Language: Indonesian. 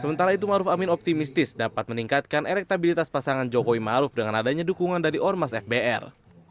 sementara itu maruf amin optimistis dapat meningkatkan elektabilitas pasangan jokowi maruf dengan adanya dukungan dari ormas fbr